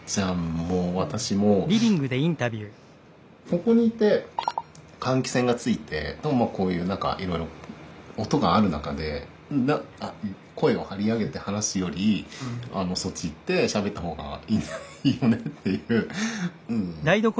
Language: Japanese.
ここにいて換気扇がついてこういう何かいろいろ音がある中で声を張り上げて話すよりそっち行ってしゃべった方がいいよねっていう。